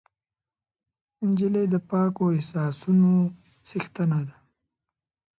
نجلۍ د پاکو احساسونو څښتنه ده.